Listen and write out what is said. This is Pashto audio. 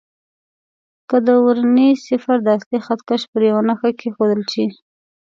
که د ورنيې صفر د اصلي خط کش پر یوه نښه کېښودل شي.